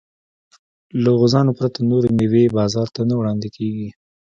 له غوزانو پرته نورې مېوې بازار ته نه وړاندې کېږي.